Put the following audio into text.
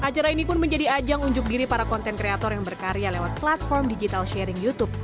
acara ini pun menjadi ajang unjuk diri para konten kreator yang berkarya lewat platform digital sharing youtube